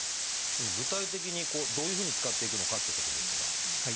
でも具体的にどういうふうに使っていくのかっていうことですが。